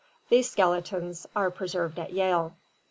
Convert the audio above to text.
These skeletons are preserved at Yale.